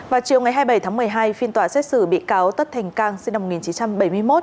vào chiều ngày hai mươi bảy tháng một mươi hai phiên tòa xét xử bị cáo tất thành cang sinh năm một nghìn chín trăm bảy mươi một